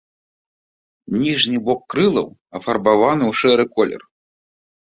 Ніжні бок крылаў афарбаваны ў шэры колер.